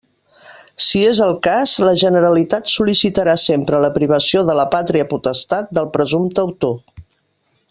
Si és el cas, la Generalitat sol·licitarà sempre la privació de la pàtria potestat del presumpte autor.